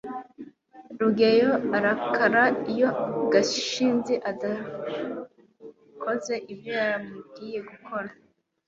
rugeyo ararakara iyo gashinzi adakoze ibyo yamubwiye gukora